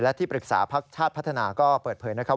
และที่ปรึกษาพักชาติพัฒนาก็เปิดเผยนะครับ